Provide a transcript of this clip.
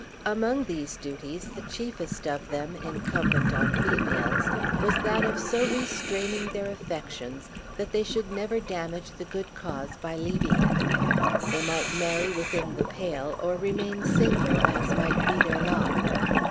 Among these duties, the chiefest of them incumbent on females was that of so restraining their affections that they should never damage the good cause by leaving it. They might marry within the pale, or remain single, as might be their lot.